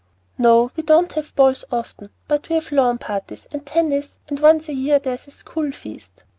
"No, we don't have balls often, but we have lawn parties, and tennis, and once a year there's a school feast."